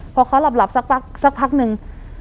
พอเขาหลับสักพักนึง